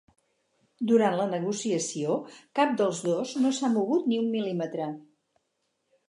Durant la negociació cap dels dos no s'ha mogut ni un mil·límetre.